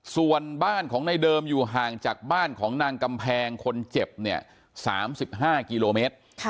ส่วนบ้านของในเดิมอยู่ห่างจากบ้านของนางกำแพงคนเจ็บเนี่ย๓๕กิโลเมตร